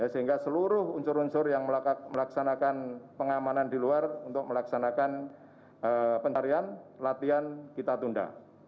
sehingga seluruh unsur unsur yang melaksanakan pengamanan di luar untuk melaksanakan penarian latihan kita tunda